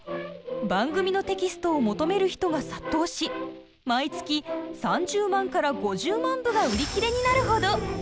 番組のテキストを求める人が殺到し毎月３０万から５０万部が売り切れになるほど！